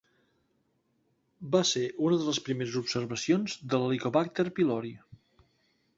Va ser una de les primeres observacions de l'helicobacter pylori.